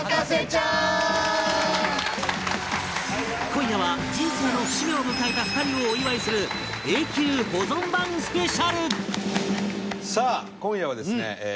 今夜は人生の節目を迎えた２人をお祝いする永久保存版スペシャルさあ今夜はですね